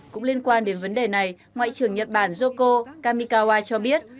cũng liên quan đến vấn đề này ngoại trưởng nhật bản joko kamikawa cho biết